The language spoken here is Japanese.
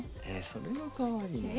それがかわいいのに